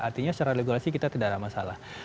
artinya secara regulasi kita tidak ada masalah